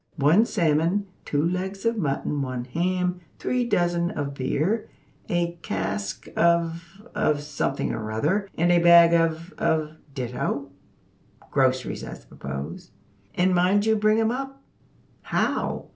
One salmon, two legs of mutton, one ham, three dozen of beer, a cask of of something or other, and a bag of of ditto, (groceries, I suppose), `and mind you bring 'em up!' How!